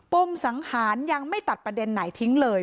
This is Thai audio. มสังหารยังไม่ตัดประเด็นไหนทิ้งเลย